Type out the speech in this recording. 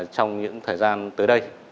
trong những thời gian tới đây